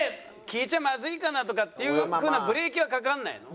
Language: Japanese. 聞いちゃまずいかなとかっていう風なブレーキはかかんないの？